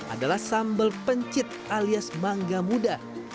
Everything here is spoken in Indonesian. adalah sambal pencit alias mangga muda